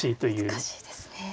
難しいですね。